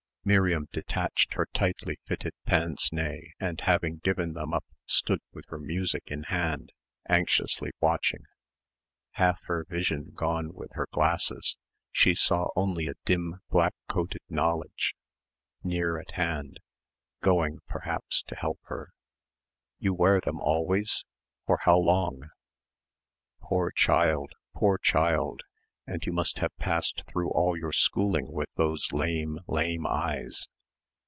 Miriam detached her tightly fitting pince nez and having given them up stood with her music in hand anxiously watching. Half her vision gone with her glasses, she saw only a dim black coated knowledge, near at hand, going perhaps to help her. "You wear them always for how long? "Poor child, poor child, and you must have passed through all your schooling with those lame, lame eyes